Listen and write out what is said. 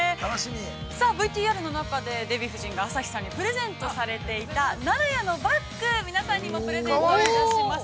さあ、ＶＴＲ中でデヴィ夫人が朝日さんにプレゼントされていた「ＮａＲａＹＡのバッグ」を視聴者プレゼントします。